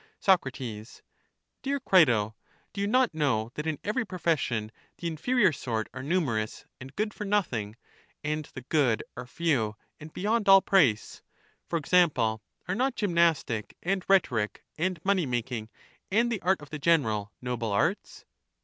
Soc, Dear Crito, do you not know that in every profession the inferior sort are numerous and good for nothing, and the good are few and beyond all price: for example, are not gymnastic and rhetoric 274 EUTHYDEMUS and money making and the art of the general, noble arts?